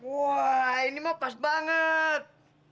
wah ini mah pas banget